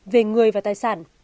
về người và tài sản